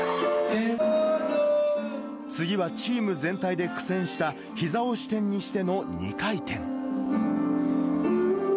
次はチーム全体で苦戦した、ひざを支点にしての２回転。